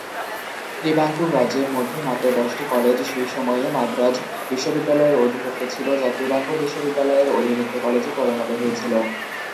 ত্রিবাঙ্কুর রাজ্যের মধ্যে মাত্র দশটি কলেজ সেই সময়ে মাদ্রাজ বিশ্ববিদ্যালয়ের অধিভুক্ত ছিল, যা ত্রিবাঙ্কুর বিশ্ববিদ্যালয়ের অধিভুক্ত কলেজে পরিণত হয়েছিল।